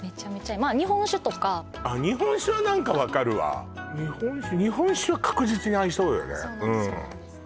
日本酒とか日本酒は何か分かるわ日本酒は確実に合いそうよねそうなんですそうなんです